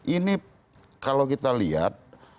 ini kalau kita lihat